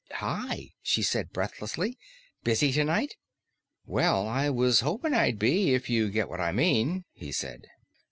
"Hi," she said breathlessly. "Busy tonight?" "Well, I was hoping I'd be, if you get what I mean," he said.